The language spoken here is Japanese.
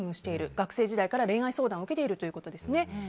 学生時代から恋愛相談を受けているということです。